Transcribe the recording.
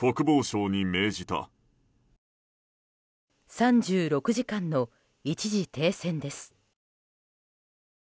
３６時間の一時停戦です。